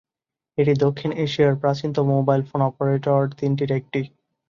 এটি দক্ষিণ এশিয়ার প্রাচীনতম মোবাইল ফোন অপারেটর তিনটির একটি।